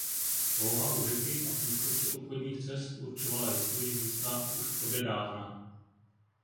Poloha u řeky a v blízkosti obchodních cest určovala historii místa už odedávna.